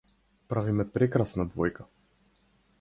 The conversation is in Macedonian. Правиме прекрасна двојка.